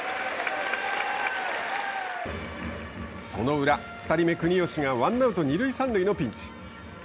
その裏２人目、国吉がワンアウト二塁三塁のピンチ。